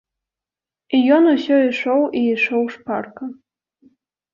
Ён усё ішоў і ішоў шпарка.